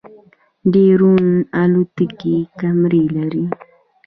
ډرون الوتکې کمرې لري